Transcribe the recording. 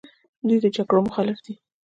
دوی د جګړو مخالف دي.